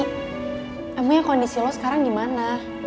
emangnya kondisi lu sekarang gimana